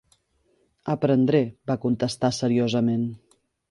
"Aprendré", va contestar seriosament.